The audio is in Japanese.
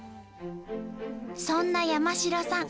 そんな山城さん